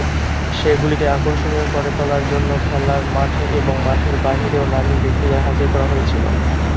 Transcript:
সে গুলিকে আকর্ষণীয় করে তোলার জন্য খেলার মাঠে এবং মাঠের বাইরেও নামী ব্যক্তিদের হাজির করা হয়েছিল।